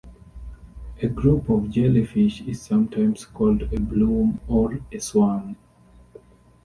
A group of jellyfish is sometimes called a bloom or a swarm.